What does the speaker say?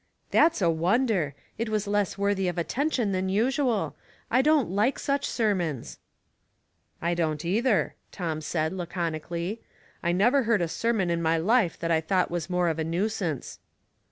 " That's a wonder. It was less worthy of attention than usual. I don't like such ser mons." " I don't either," Tom said, laconically. " I never heard a sermon in my life that I thought was more of a nuisance."